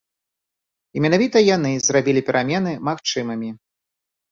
І менавіта яны зрабілі перамены магчымымі.